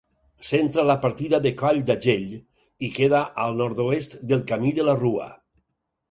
Centra la partida de Coll d'Agell, i queda al nord-oest del Camí de la Rua.